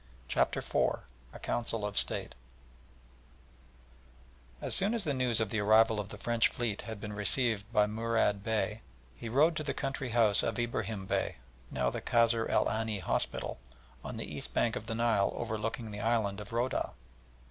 CHAPTER IV A COUNCIL OF STATE As soon as the news of the arrival of the French Fleet had been received by Murad Bey, he rode to the country house of Ibrahim Bey, now the Kasr el Aini Hospital, on the east bank of the Nile overlooking the Island of Rhodah.